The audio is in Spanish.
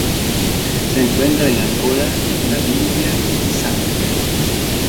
Se encuentra en Angola Namibia y Zambia.